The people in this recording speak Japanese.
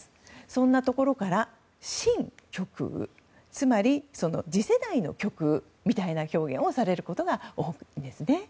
そんなところから、シン・極右つまり、次世代の極右みたいな表現をされることが多いんです。